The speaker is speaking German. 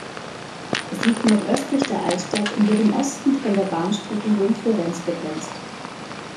Es liegt nordöstlich der Altstadt und wird im Osten von der Bahnstrecke Rom-Florenz begrenzt.